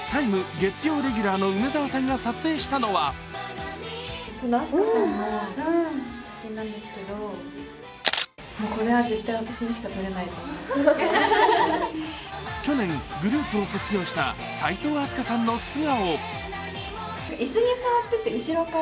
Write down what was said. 月曜レギュラーの梅澤さんが撮影したのは去年、グループを卒業した齋藤飛鳥さんの素顔。